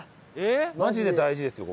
マジで大事ですよ